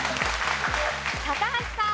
高橋さん。